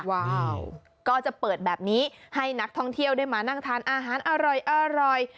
ว้าวก็จะเปิดแบบนี้ให้นักท่องเที่ยวได้มานั่งทานอาหารอร่อย